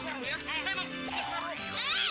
ayam seri ma ayam seri